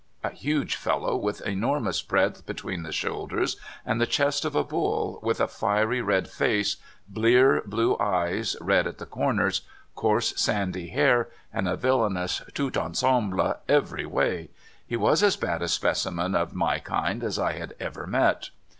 A huge fellow, with enor mous breadth between the shoulders, and the chest of a bull, with a fiery red face, blear blue eyes red at the corners, coarse sandy hair, and a villainous tout c//s^w^/^ every way, he was as bad a specimen of my kind as I had ever met.